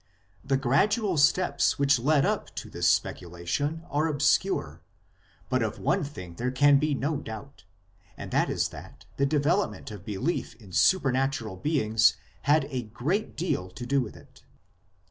The gradual steps which led up to this speculation are obscure, but of one thing there can be no doubt, and that is that the development of belief in supernatural beings had a great deal to do with it.